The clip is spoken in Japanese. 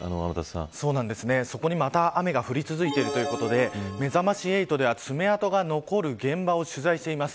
そこにまた、雨が降り続いているということでめざまし８では、爪痕が残る現場を取材しています。